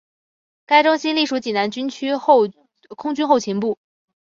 该中心隶属济南军区空军后勤部。